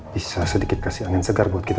bisa sedikit kasih angin segar buat kita